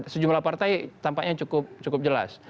sejumlah partai tampaknya cukup jelas